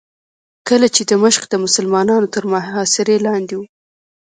کله چې دمشق د مسلمانانو تر محاصرې لاندې و.